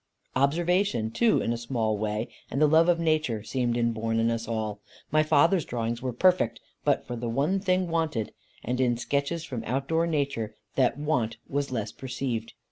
Observation too, in a small way, and the love of nature seemed inborn in us all. My father's drawings were perfect, but for the one thing wanted; and in sketches from outdoor nature that want was less perceived.